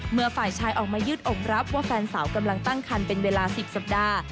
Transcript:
เมื่อฝ่ายชายออกมายืดอมรับว่าแฟนสาวกำลังตั้งคันเป็นเวลา๑๐สัปดาห์